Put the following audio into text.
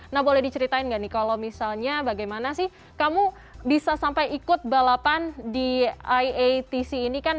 nah boleh diceritain nggak nih kalau misalnya bagaimana sih kamu bisa sampai ikut balapan di iatc ini kan